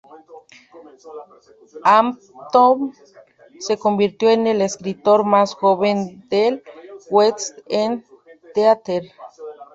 Hampton se convirtió en el escritor más joven del West End theater.